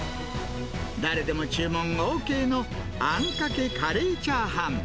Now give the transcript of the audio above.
誰でも注文ＯＫのあんかけカレーチャーハン。